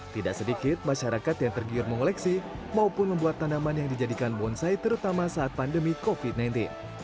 tidak sedikit masyarakat yang tergiur mengoleksi maupun membuat tanaman yang dijadikan bonsai terutama saat pandemi covid sembilan belas